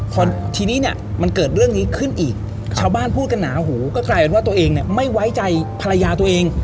พอทีนี้เนี่ยมันเกิดเรื่องนี้ขึ้นอีกชาวบ้านพูดกันหนาหูก็กลายเป็นว่าตัวเองเนี่ยไม่ไว้ใจภรรยาตัวเอง